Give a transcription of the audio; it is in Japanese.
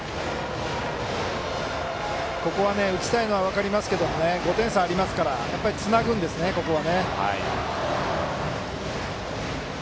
ここは打ちたいのは分かりますが５点差ありますからつなぐんですね、ここは。